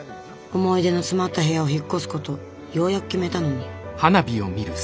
思い出の詰まった部屋を引っ越すことようやく決めたのに。